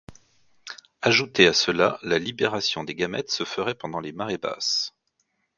Ajouté à cela, la libération des gamètes se ferait pendant les marées basses.